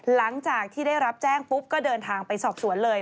หลังจากที่ได้รับแจ้งปุ๊บก็เดินทางไปสอบสวนเลย